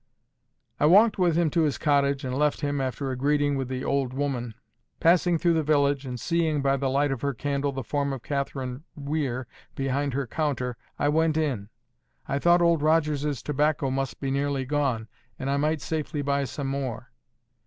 I walked with him to his cottage and left him, after a greeting with the "old woman." Passing then through the village, and seeing by the light of her candle the form of Catherine Weir behind her counter, I went in. I thought old Rogers's tobacco must be nearly gone, and I might safely buy some more.